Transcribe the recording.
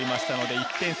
１点差。